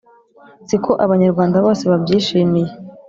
si ko Abanyarwanda bose babyishimiye: